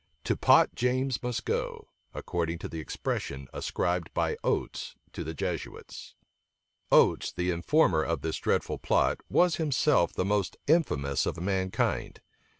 "To pot James must go," according to the expression ascribed by Oates to the Jesuits. Oates, the informer of this dreadful plot, was himself the most infamous of mankind.